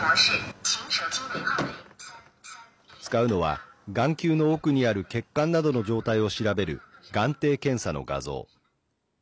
使うのは眼球の奥にある血管などの状態を調べる眼底検査の画像。